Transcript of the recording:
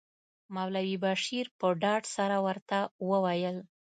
مولوي بشیر په ډاډ سره ورته وویل.